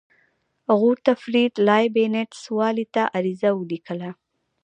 غوتفریډ لایبینټس والي ته عریضه ولیکله.